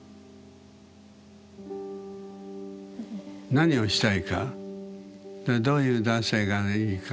何をしたいかでどういう男性がいいか。